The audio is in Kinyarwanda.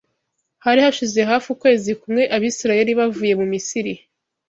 Hari hashize hafi ukwezi kumwe Abisirayeli bavuye mu Misiri